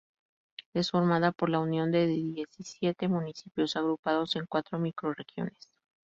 Es formada por la unión de diecisiete municipios agrupados en cuatro microrregiones.